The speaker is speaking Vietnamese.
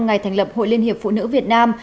ngày thành lập hội liên hiệp phụ nữ việt nam